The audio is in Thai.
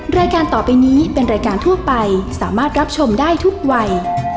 รายการต่อไปนี้เป็นรายการทั่วไปสามารถรับชมได้ทุกวัย